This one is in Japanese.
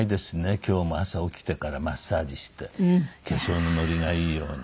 今日も朝起きてからマッサージして化粧の乗りがいいように。